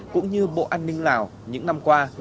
cũng như bộ an ninh lào những năm qua